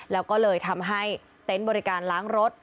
แล้วก็เลยทำให้เต็นต์บริการล้างรถ